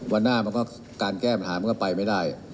วันหน้ามันก็การแก้ปัญหามันก็ไปไม่ได้